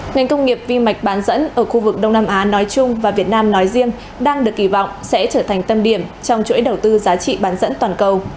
ngành công nghiệp vi mạch bán dẫn ở khu vực đông nam á nói chung và việt nam nói riêng đang được kỳ vọng sẽ trở thành tâm điểm trong chuỗi đầu tư giá trị bán dẫn toàn cầu